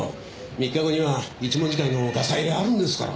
３日後には一文字会のガサ入れあるんですから。